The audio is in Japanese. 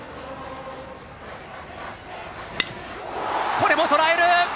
これもとらえる！